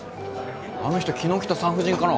あの人昨日来た産婦人科の。